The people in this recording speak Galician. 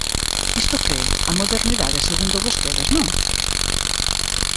¿Isto que é a modernidade segundo vostedes, non?